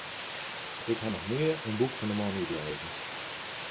Ik ha noch nea in boek fan de man útlêzen.